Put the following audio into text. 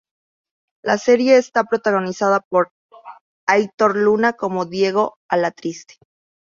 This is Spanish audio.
La serie está protagonizada por Aitor Luna como Diego Alatriste.